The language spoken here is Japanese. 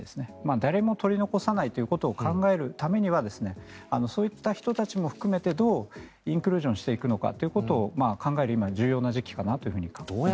誰も取り残さないということを考えるためにはそういった人たちも含めてどうインクルージョンしていくのかということを考える今、重要な時期かなと思います。